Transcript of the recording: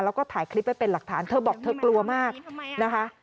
แล้วก็ถ่ายคลิปไว้เป็นหลักฐานเธอบอกเธอกลัวมากนะคะ